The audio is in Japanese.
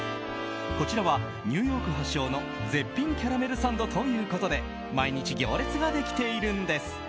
こちらは、ニューヨーク発祥の絶品キャラメルサンドということで毎日行列ができているんです。